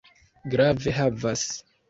Grave havas.